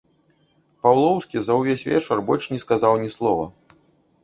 Паўлоўскі за ўвесь вечар больш не сказаў ні слова.